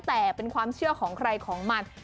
แต่เป็นความเชื่อของใครของมัน